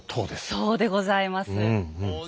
そうでございます。